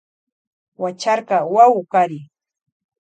Huacharka wawu kari.